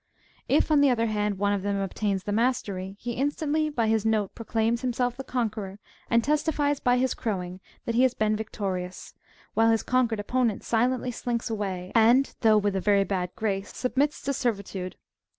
If, on the other hand, one of them obtains the mastery, he instantly by his note proclaims himself the conqueror, and testifies by his crowing that he has been victorious ; while his conquered opponent silently slinks away, and, though with a very bad grace, submits to servitude.